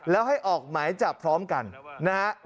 แล้วให้ออกไหมจับพร้อมกันนะครับ